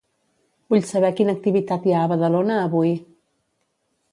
Vull saber quina activitat hi ha a Badalona avui.